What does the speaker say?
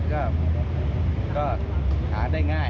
ดังสัญาคารปศักดาลระเบิดก็หาได้ง่าย